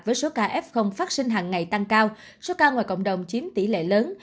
với số ca f phát sinh hàng ngày tăng cao số ca ngoài cộng đồng chiếm tỷ lệ lớn